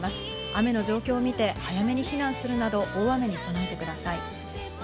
雨の状況を見て早めに避難するなど、大雨に備えてください。